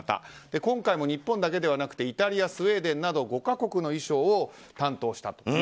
今回も日本だけではなくてイタリア、スウェーデンなど５か国の衣装を担当したと。